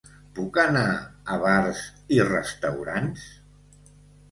Puc anar a bars i restaurants?